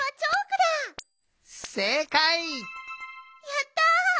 やった！